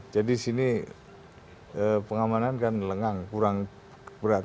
jadi sini pengamanan kan lengang kurang berat